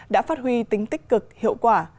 đã phát huy tính tích cực hiệu quả